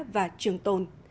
và trường tồn